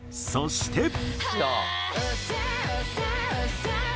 そして。